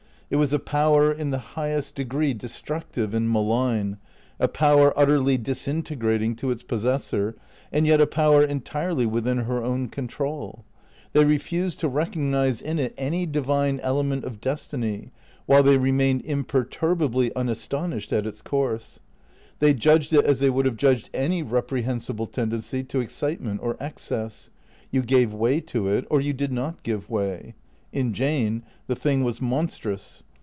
It was a power in the highest degree destructive and malign, a power utterly disintegrating to its possessor, and yet a power entirely within her own control. They refused to recognize in it any divine element of destiny, while they remained imper turbably unastonished at its course. They judged it as they would have judged any reprehensible tendency to excitement or excess. You gave way to it or you did not give way. In Jane the thing was monstrous.